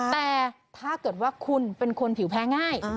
แต่ถ้าเกิดว่าคุณเป็นคนผิวแพ้ง่าย